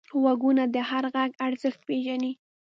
غوږونه د هر غږ ارزښت پېژني